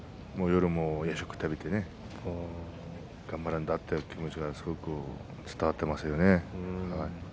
夜も夜食を食べてね頑張るんだという気持ちが伝わっていますね。